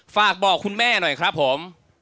ฝากบอกคุณแม่หน่อยครับผม